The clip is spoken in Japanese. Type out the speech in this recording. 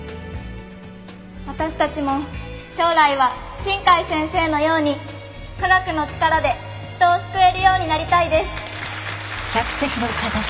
私たちも将来は新海先生のように科学の力で人を救えるようになりたいです。